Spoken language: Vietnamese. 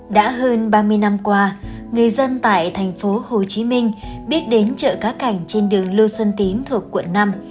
đã hơn ba mươi năm qua người dân tại thành phố hồ chí minh biết đến chợ cá cảnh trên đường lưu xuân tín thuộc quận năm